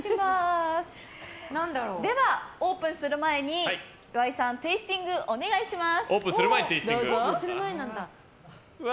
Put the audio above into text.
では、オープンする前に岩井さんテイスティングお願いします。